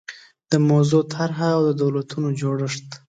د موضوع طرحه او د دولتونو جوړښت